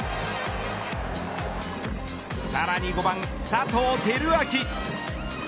さらに５番、佐藤輝明。